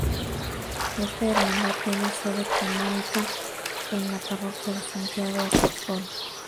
Esta hermandad tiene sede canónica en la Parroquia de Santiago Apóstol.